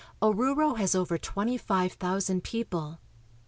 Oruro has over twenty five thousand people.